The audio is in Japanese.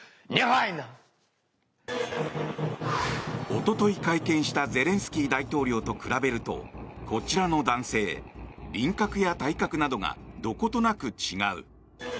おととい会見したゼレンスキー大統領と比べるとこちらの男性輪郭や体格などがどことなく違う。